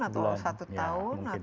atau satu tahun atau lebih